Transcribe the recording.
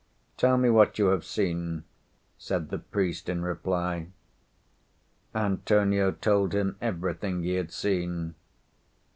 "Tell me what you have seen," said the priest in reply. Antonio told him everything he had seen.